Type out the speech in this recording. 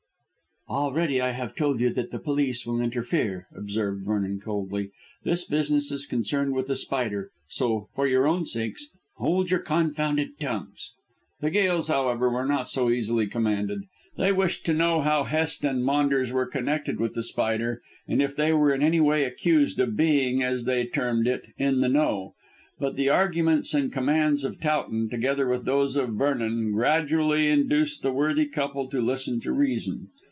"Already I have told you that the police will interfere," observed Vernon coldly. "This business is concerned with The Spider, so, for your own sakes, hold your confounded tongues." The Gails, however, were not so easily commanded. They wished to know how Hest and Maunders were connected with The Spider, and if they were in any way accused of being, as they termed it, "in the know." But the arguments and commands of Towton, together with those of Vernon, gradually induced the worthy couple to listen to reason.